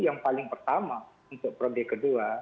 yang paling pertama untuk projek kedua